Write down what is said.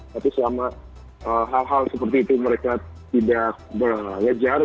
tapi selama hal hal seperti itu mereka tidak belajar